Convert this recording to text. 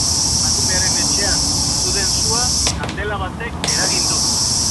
Emakumearen etxean piztu den sua kandela batek eragin du.